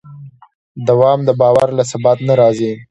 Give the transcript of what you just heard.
دوام د باور له ثبات نه راځي.